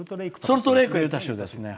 ソルトレークはユタ州ですね。